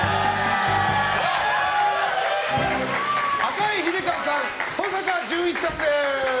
赤井英和さん、登坂淳一さんです。